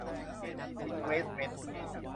อินเวสต์เมนต์